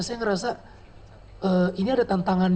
saya ngerasa ini ada tantangan